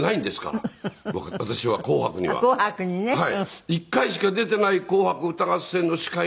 はい。